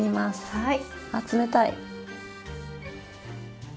はい。